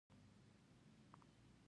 د کاغذ کڅوړې جوړیږي؟